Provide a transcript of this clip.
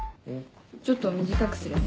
ちょっと短くするね。